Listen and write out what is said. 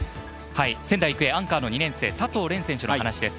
仙台育英、アンカーの佐藤蓮選手の話です。